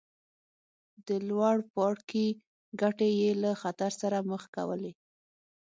د لوړ پاړکي ګټې یې له خطر سره مخ کولې.